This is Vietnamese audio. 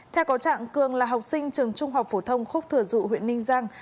theo có trạng cường là học sinh trường trung học phổ thông khúc thừa dụ huyện ninh giang